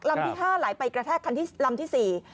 ลำที่๕หลายไปกระแทกลำที่๔